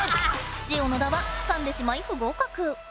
ジオ野田はかんでしまい不合格。